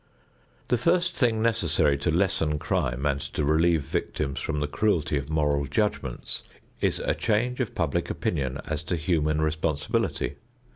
The first thing necessary to lessen crime and to relieve victims from the cruelty of moral judgments is a change of public opinion as to human responsibility.